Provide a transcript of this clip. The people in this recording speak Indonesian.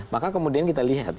maka kemudian kita lihat